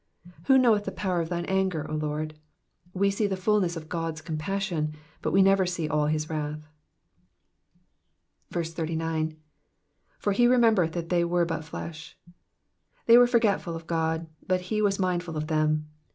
Who knoweth the power of thine anger, O Lord? We see the fulness of God^s compassion, but we never see all his wrath. 89. ''''For he remembered that they were hut fleshy They were forgetful of God, but he was mindful of them.